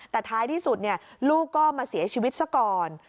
แต่ท้ายที่สุดลูกก็มาเสียชีวิตซะก่อน